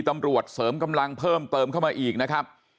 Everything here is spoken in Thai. ตำรวจเสริมกำลังเพิ่มเติมเข้ามาอีกนะครับ